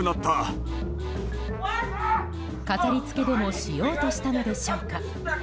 飾りつけでもしようとしたのでしょうか。